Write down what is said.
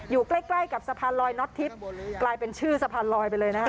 อยู่ใกล้ใกล้กับสะพานลอยน็อตทิพย์กลายเป็นชื่อสะพานลอยไปเลยนะคะ